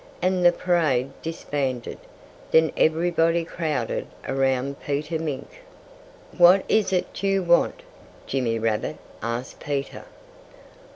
And the parade disbanded. Then everybody crowded around Peter Mink. "What is it you want?" Jimmy Rabbit asked Peter.